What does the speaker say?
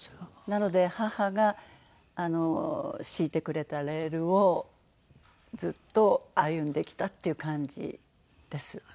なので母が敷いてくれたレールをずっと歩んできたっていう感じです。